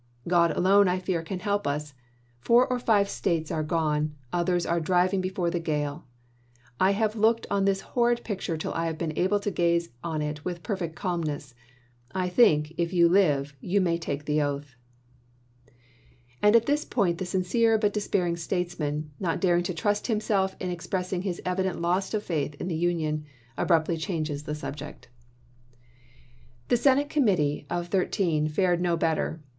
God alone, I fear, can help us. Four or five States are gone, others are driving before the gale. I have Corwin to l°°ked on this horrid picture till I have been able to gaze Lincoln, on it with perfect calmness. I think, if you live, you may Jan. 16. 1861. ,,,, V, ^ ms. take the oath. And at this point the sincere but despairing statesman, not daring to trust himself in express ing his evident loss of faith in the Union, abruptly changes the subject. FAILURE OF COMPROMISE 219 The Senate Committee of Thirteen fared no bet chap. xiv. ter.